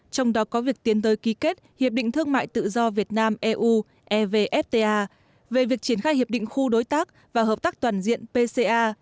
trong đó có việc tiến tới ký kết hiệp định thương mại tự do việt nam eu evfta về việc triển khai hiệp định khu đối tác và hợp tác toàn diện pca